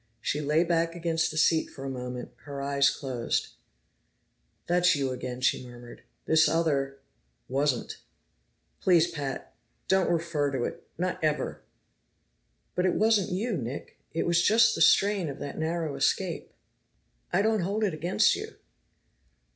She lay back against the seat for a moment, her eyes closed. "That's you again," she murmured. "This other wasn't." "Please, Pat! Don't refer to it, not ever." "But it wasn't you, Nick. It was just the strain of that narrow escape. I don't hold it against you."